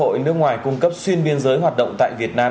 các quy định nước ngoài cung cấp xuyên biên giới hoạt động tại việt nam